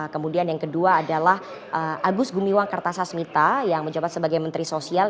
kemudian yang kedua adalah agus gumiwang kartasasmita yang menjabat sebagai menteri sosial